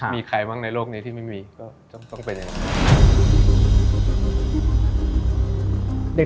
มีใครบ้างในโลกนี้ที่ไม่มีก็ต้องเป็นอย่างนั้น